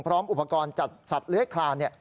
พร้อมอุปกรณ์จัดสัตว์เลื้อยคลาน